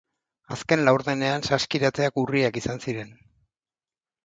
Azken laurdenean saskiratzeak urriak izan ziren.